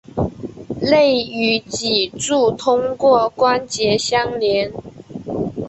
肋与脊柱通过关节相连。